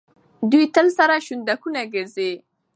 دوی تل سره شونډکونه ګرځي.